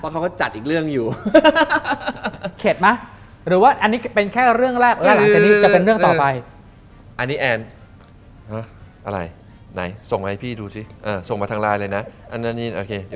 แล้วก็เล่นละครไปด้วย